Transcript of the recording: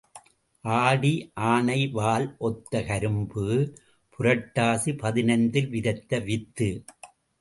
ஆடி ஆனை வால் ஒத்த கரும்பு, புரட்டாசி பதினைந்தில் விதைத்த வித்து.